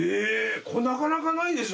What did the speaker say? これなかなかないでしょ？